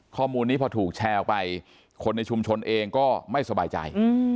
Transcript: ข้อมูลนี้พอถูกแชร์ออกไปคนในชุมชนเองก็ไม่สบายใจ